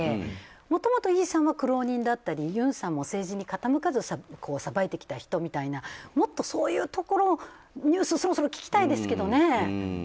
もともとイさんは苦労人だったりユンさんも政治に傾かず裁いてきた人みたいなもっとそういうところのニュースそろそろ聞きたいですけどね。